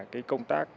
cái công tác